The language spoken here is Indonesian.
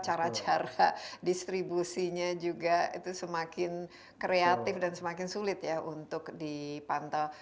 cara cara distribusinya juga itu semakin kreatif dan semakin sulit ya untuk dipantau